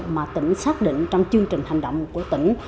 mà tỉnh xác định trong chương trình hành động của tỉnh